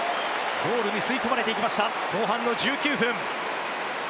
ゴールに吸い込まれました後半１９分。